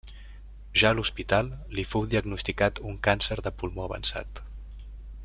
Ja a l'hospital, li fou diagnosticat un càncer de pulmó avançat.